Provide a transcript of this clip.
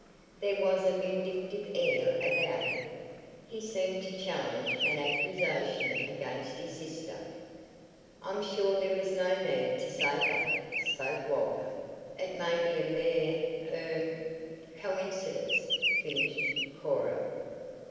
There was a vindictive air about him. He seemed to challenge an accusation against his sister. "I'm sure there was no need to say that," spoke Walter. "It may be a mere er " "Coincidence," finished Cora.